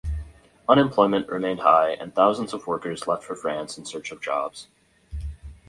Unemployment remained high, and thousands of workers left for France in search of jobs.